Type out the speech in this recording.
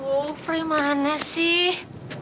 oh prey mana sih